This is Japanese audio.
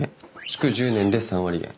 築１０年で３割減。